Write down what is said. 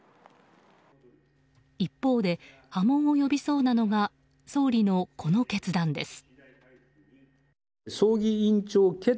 一方で波紋を呼びそうなのが総理のこの決断です。